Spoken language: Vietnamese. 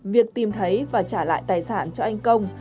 việc tìm thấy và trả lại tài sản cho anh công